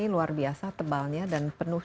luar biasa tebalnya dan penuh